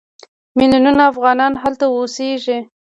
میلیونونه افغانان هلته اوسېږي.